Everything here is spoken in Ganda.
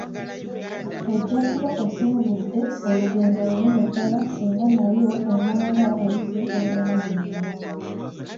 Ojja kuba osenvudde olugendo lunene ddala singa nayo onaaba oyize bw’ewandiikibwa.